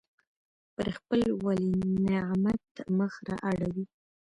پر خپل ولینعمت مخ را اړوي.